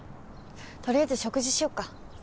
とりあえず食事しよっか。